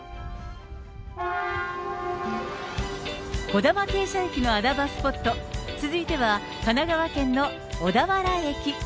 こだま停車駅の穴場スポット、続いては神奈川県の小田原駅。